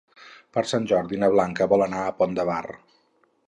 Per Sant Jordi na Blanca vol anar al Pont de Bar.